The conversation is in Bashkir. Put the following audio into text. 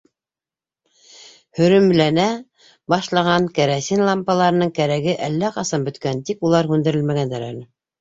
Һөрөмләнә башлаған кәрәсин лампаларының кәрәге әллә ҡасан бөткән, тик улар һүндерелмәгәндәр әле.